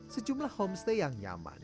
sejumlah homestay yang nyaman